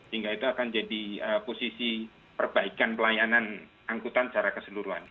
hingga itu akan jadi posisi perbaikan pelayanan angkutan secara keseluruhan